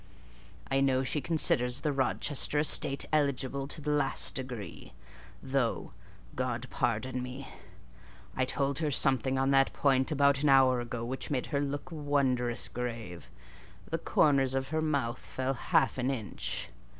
I know she considers the Rochester estate eligible to the last degree; though (God pardon me!) I told her something on that point about an hour ago which made her look wondrous grave: the corners of her mouth fell half an inch.